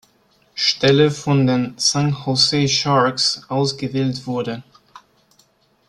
Stelle von den San Jose Sharks ausgewählt wurde.